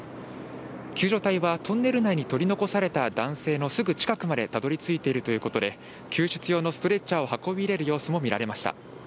救助隊はトンネル内に取り残された男性のすぐ近くまでたどり着いているということで救出用のストレッチャーを運び入れる様子も見られました。